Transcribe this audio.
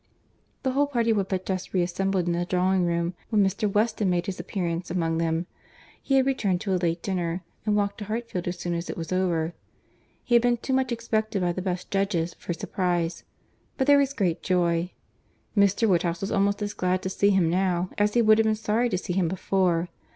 The whole party were but just reassembled in the drawing room when Mr. Weston made his appearance among them. He had returned to a late dinner, and walked to Hartfield as soon as it was over. He had been too much expected by the best judges, for surprize—but there was great joy. Mr. Woodhouse was almost as glad to see him now, as he would have been sorry to see him before.